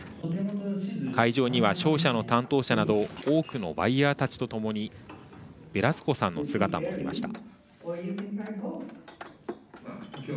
会場には商社の担当者など多くのバイヤーたちとともにベラスコさんの姿もありました。